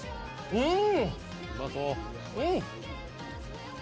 うん！